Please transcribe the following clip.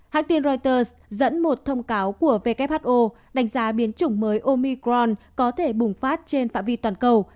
hãng tin reuters dẫn một thông cáo của who đánh giá biến chủng mới omicron có thể bùng phát trên phạm vi toàn cầu